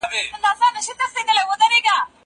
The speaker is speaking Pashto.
زه د کتابتون کتابونه لوستي دي؟!